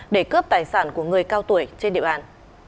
để cướp tài sản của người cao tuổi trên địa bàn